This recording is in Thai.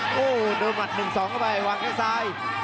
โอ้โหโดนหมัด๑๒เข้าไปวางแค่ซ้าย